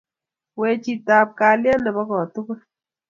wechetab kalyet nebo kotugul